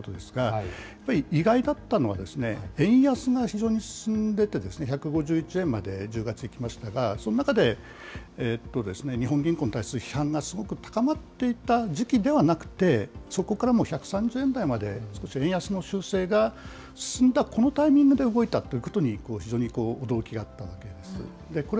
その中で、今回のタイミングになったということですが、意外だったのは、円安が非常に進んでて、１５１円まで１０月いきましたが、その中で、日本銀行に対する批判がすごく高まっていた時期ではなくて、そこからもう１３０円台まで、少し円安の修正が進んだこのタイミングで動いたということに、非常に驚きがあったわけです。